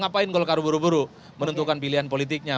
ngapain golkar buru buru menentukan pilihan politiknya